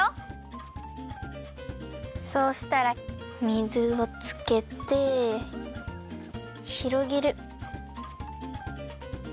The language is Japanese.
そうしたら水をつけてひろげる。